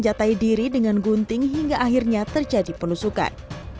menjatai diri dengan gunting hingga akhirnya terjadi penusukan